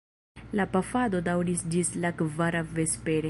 La pafado daŭris ĝis la kvara vespere.